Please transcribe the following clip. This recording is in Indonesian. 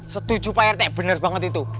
setuju pak rt benar banget itu